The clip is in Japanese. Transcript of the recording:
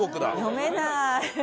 読めない！